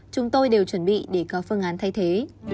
chúng tôi đều chuẩn bị để có phương án thay thế